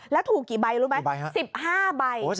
แล้วถูกกี่ใบรู้ไหม๑๕ใบ